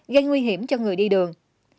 gây nguy hiểm cho người đi đường